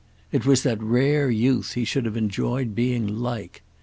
—it was that rare youth he should have enjoyed being "like."